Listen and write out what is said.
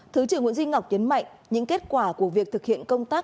thứ trưởng nguyễn duy ngọc nhấn mạnh những kết quả của việc thực hiện công tác